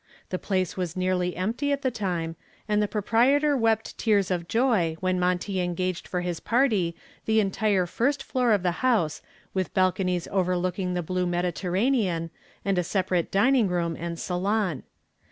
The place was nearly empty at the time, and the proprietor wept tears of joy when Monty engaged for his party the entire first floor of the house with balconies overlooking the blue Mediterranean and a separate dining room and salon.